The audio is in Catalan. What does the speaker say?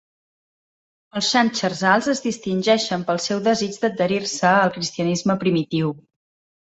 Els Xàntxers alts es distingeixen pel seu desig d'adherir-se al cristianisme primitiu.